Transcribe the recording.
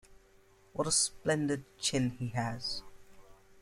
What a splendid chin he has!